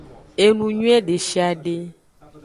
Enuyuie deshiade.